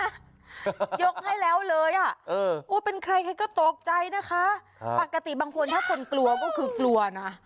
ยกให้แล้วเลยอ่ะเป็นใครใครก็ตกใจนะคะปกติบางคนถ้าคนกลัวก็คือกลัวนะ